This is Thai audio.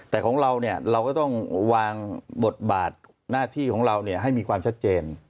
แต่ของเราเนี่ยเราก็ต้องวางบทบาทหน้าที่ของเราให้มีความชัดเจน